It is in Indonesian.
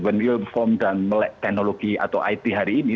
when you inform dan melet teknologi atau it hari ini